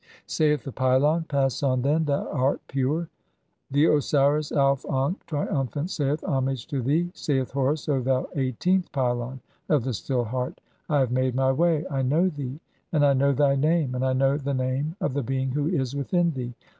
[Saith the pylon :—] "Pass on, then, thou art pure." XVIII. (62) The Osiris Auf ankh, triumphant, saith :— "Homage to thee, saith Horus, O thou eighteenth pylon of the Still Heart. I have made [my] wav. I know thee, and I know thy name, and I know (63) the name of the being who is within thee.